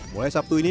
mulai sabtu ini